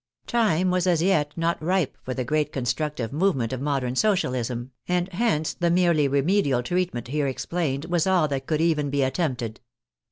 Time was as yet not ripe for the great con structive movement of modern Socialism, and hence the merely remedial treatment here explained was all that could even be attempted.